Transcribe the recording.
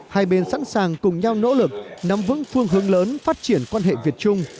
hai bên sẵn sàng cùng nhau nỗ lực nắm vững phương hướng lớn phát triển quan hệ việt trung